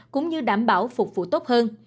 cũng như đảm bảo phục vụ tốt hơn